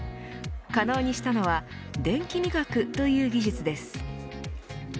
可能にしたのは電気味覚という技術です。